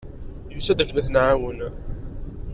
Yusa-d akken ad t-nɛawen.